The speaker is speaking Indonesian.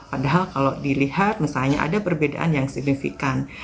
padahal kalau dilihat misalnya ada perbedaan yang signifikan